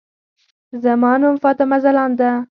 زما نوم فاطمه ځلاند ده.